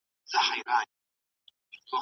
که درسونه عملي وي، پوهه بې کاره نه پاته کيږي.